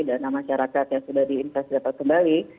dana masyarakat yang sudah diinvest dapat kembali